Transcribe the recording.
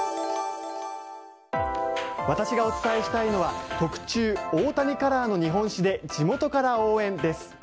私がお伝えしたいのは特注、大谷カラーの日本酒で地元から応援です。